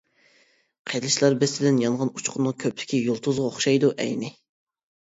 قىلىچلار بىسىدىن يانغان ئۇچقۇننىڭ كۆپلۈكى يۇلتۇزغا ئوخشايدۇ ئەينى.